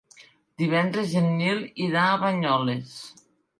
Divendres en Nil irà a Banyoles.